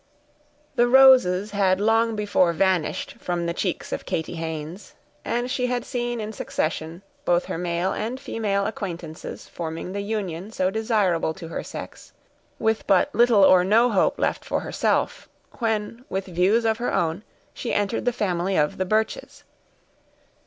The roses had long before vanished from the cheeks of Katy Haynes, and she had seen in succession, both her male and female acquaintances forming the union so desirable to her sex, with but little or no hope left for herself, when, with views of her own, she entered the family of the Birches.